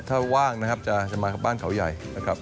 ถ้าว่างนะครับจะมาบ้านเขาใหญ่